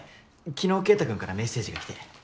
昨日慧太くんからメッセージが来て。